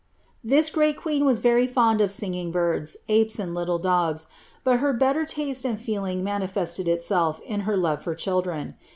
"^ This greal queen was very fond of singing birds, apes, and liiile dogs: bill her better taste and feeling niaiiilesled ilself in her love for chdiiren.